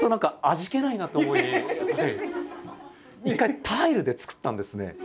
一回タイルで作ったんですね。